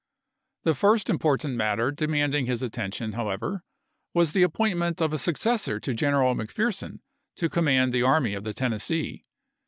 The first important matter demanding Report his attention, however, was the appointment of a ^cSXSS successor to General McPherson to command the otim Tefr' Army of the Tennessee.